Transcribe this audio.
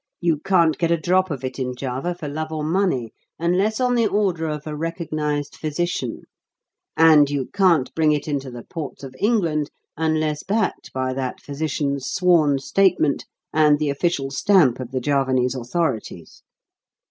You can't get a drop of it in Java for love or money, unless on the order of a recognized physician; and you can't bring it into the ports of England unless backed by that physician's sworn statement and the official stamp of the Javanese authorities.